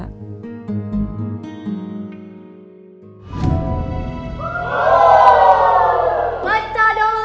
maka dia masih kepikiran sama kadonya rara